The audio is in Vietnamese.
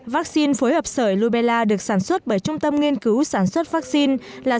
vaccine phối hợp sởi lobella được sản xuất bởi trung tâm nghiên cứu sản xuất vaccine là